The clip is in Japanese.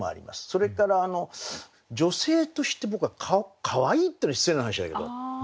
それから女性として僕はかわいいっていうのも失礼な話だけど。